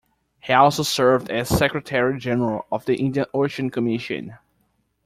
He also served as Secretary-General of the Indian Ocean Commission.